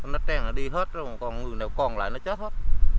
nó trang nó đi hết rồi còn người nào còn lại nó chết hết